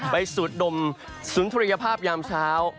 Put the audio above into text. ไปดมศุนิษยภาพยามเช้า